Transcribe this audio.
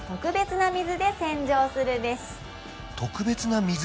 特別な水？